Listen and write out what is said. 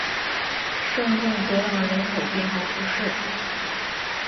圣贡德朗人口变化图示